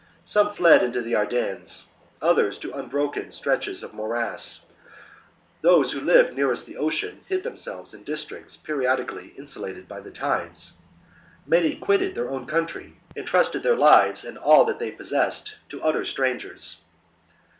Some fled into the Ardennes, others to unbroken ^ stretches of morass ; those who lived nearest the Ocean hid themselves in districts periodically insulated by the tides. Many quitted their own country and trusted their lives and all fhat they possessed to utter strangers.